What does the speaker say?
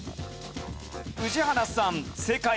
宇治原さん正解。